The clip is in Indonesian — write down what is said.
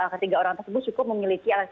ketiga orang tersebut cukup memiliki alasan